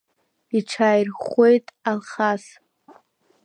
Иҽааирӷәӷәеит Алхас.